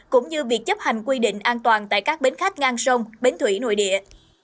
cũng như việc chấp hành quy định an toàn tại các bến khách ngang sông bến thủy nội địa